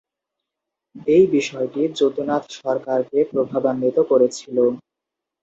এই বিষয়াদি যদুনাথ সরকারকে প্রভাবান্বিত করেছিল।